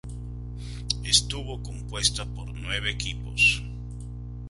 Estuvo compuesta por nueve equipos.